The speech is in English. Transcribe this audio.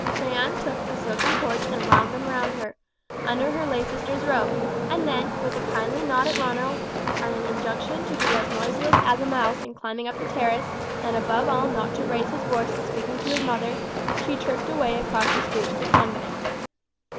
Jeanne took the silken cords and wound them round her, under her lay sister's robe, and then, with a kindly nod at Ronald, and an injunction to be as noiseless as a mouse in climbing up the terrace, and above all not to raise his voice in speaking to his mother, she tripped away across the street to the convent.